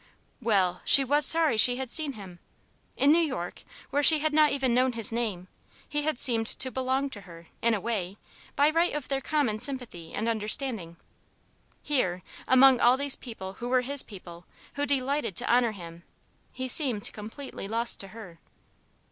Well! she was sorry she had seen him. In New York, where she had not even known his name, he had seemed to belong to her, in a way, by right of their common sympathy and understanding. Here, among all these people who were his people, who delighted to honour him, he seemed completely lost to her.